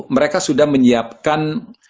mereka sudah menyiapkan